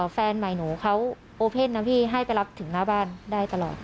แฟนใหม่หนูเขาโอเพ่นนะพี่ให้ไปรับถึงหน้าบ้านได้ตลอด